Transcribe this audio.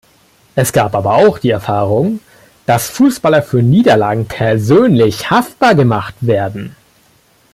Es gab aber auch die Erfahrung, dass Fußballer für Niederlagen persönlich haftbar gemacht werden.